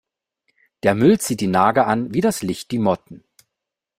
Der Müll zieht die Nager an wie das Licht die Motten.